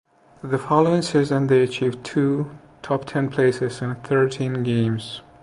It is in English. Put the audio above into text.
The following season they achieved two top ten places in thirteen games.